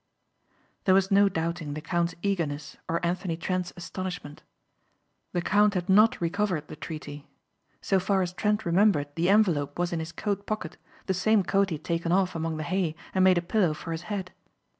There was no doubting the count's eagerness or Anthony Trent's astonishment. The count had not recovered the treaty. So far as Trent remembered the envelope was in his coat pocket, the same coat he had taken off among the hay and made a pillow for his head.